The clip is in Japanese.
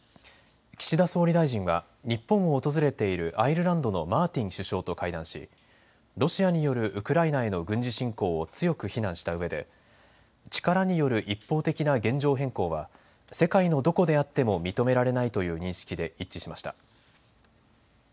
岸田総理大臣は日本を訪れているアイルランドのマーティン首相と会談しロシアによるウクライナへの軍事侵攻を強く非難したうえで力による一方的な現状変更は世界のどこであっても認められないという認識で一致しました。